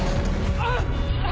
あっ？